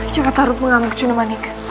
jangan taruh pengamuk cunemanik